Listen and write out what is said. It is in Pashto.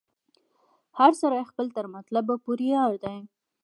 هر سړی خپل تر مطلبه پوري یار دی